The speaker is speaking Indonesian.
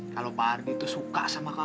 kalau pak ardi itu suka sama kamu